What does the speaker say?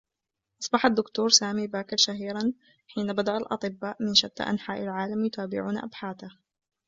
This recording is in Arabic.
أصبح الدّكتور سامي باكر شهيرا حين بدأ الأطبّاء من شتّى أنحاء العالم يتابعون أبحاثه.